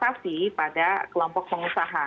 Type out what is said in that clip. relaksasi pada kelompok pengusaha